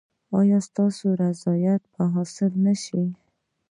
ایا ستاسو رضایت به حاصل نه شي؟